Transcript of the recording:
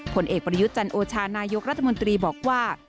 ผลเอกประยุทธ์จันโอชานายกรัฐมนตรีบอกว่า